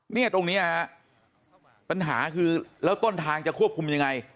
เนี่ยตรงนี้ฮะปัญหาคือแล้วต้นทางจะควบคุมยังไง